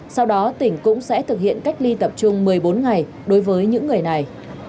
sau đó tỉnh cũng sẽ thực hiện cách ly tập trung một mươi bốn ngày đối với những người này